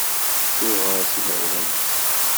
Tuɣal s imawlan-is.